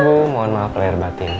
oh mohon maaf lahir batin